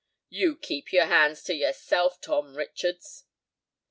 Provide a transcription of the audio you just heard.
"You keep your hands to yourself, Tom Richards."